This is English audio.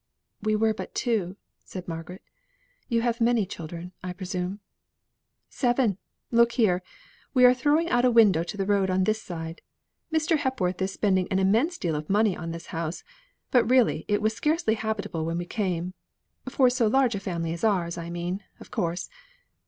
"We were but two," said Margaret. "You have many children, I presume?" "Seven. Look here! we are throwing out a window to the road on this side. Mr. Hepworth is spending an immense deal of money on this house; but really it was scarcely habitable when we came for so large a family as ours I mean, of course."